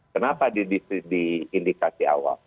kenapa di indikasi awal